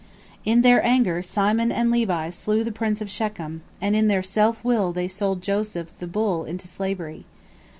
In their anger Simon and Levi slew the prince of Shechem, and in their self will they sold Joseph the bull into slavery.